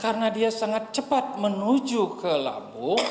karena dia sangat cepat menuju ke lambung